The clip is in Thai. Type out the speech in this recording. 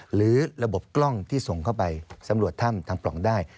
หรือระบบกล้องที่ส่งเข้าไปสำรวจถ้ำทางปล่องได้